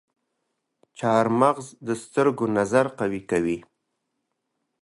چارمغز د سترګو نظر قوي کوي.